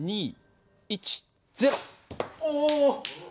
お！